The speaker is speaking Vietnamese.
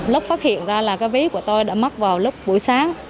lúc phát hiện ra là cái ví của tôi đã mất vào lúc buổi sáng